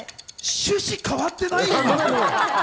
趣旨が変わってない？